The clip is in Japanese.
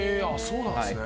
そうなんですね。